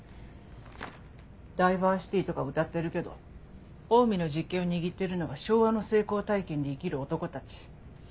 ダイバーシティとかうたってるけどオウミの実権を握ってるのは昭和の成功体験で生きる男たち。